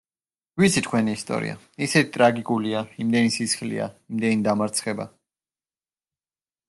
ვიცი თქვენი ისტორია, ისეთი ტრაგიკულია, იმდენი სისხლია, იმდენი დამარცხება.